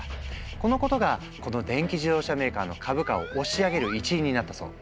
このことがこの電気自動車メーカーの株価を押し上げる一因になったそう。